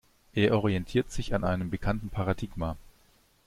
Er orientiert sich an einem bekannten Paradigma.